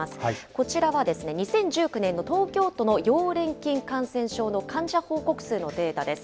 こちらは２０１９年の東京都の溶連菌感染症の患者報告数のデータです。